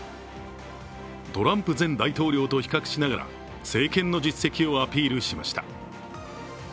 トランプ前大統領と比較しながら政権の実績をアピールしました。